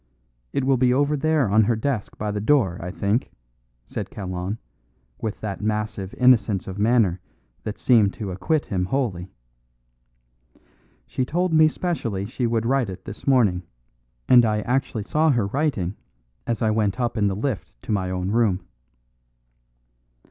"It will be over there on her desk by the door, I think," said Kalon, with that massive innocence of manner that seemed to acquit him wholly. "She told me specially she would write it this morning, and I actually saw her writing as I went up in the lift to my own room."